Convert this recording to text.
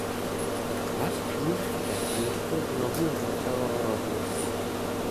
Pak už se město znovu začalo rozrůstat.